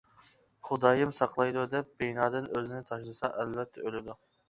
خۇدايىم ساقلايدۇ دەپ بىنادىن ئۆزىنى تاشلىسا ئەلۋەتتە ئۆلىدۇ.